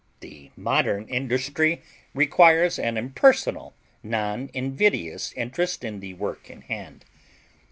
The modern industry requires an impersonal, non invidious interest in the work in hand.